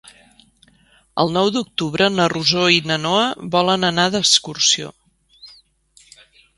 El nou d'octubre na Rosó i na Noa volen anar d'excursió.